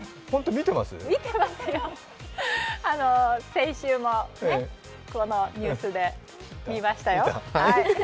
見てますよ、先週もね、このニュースで見ましたよ。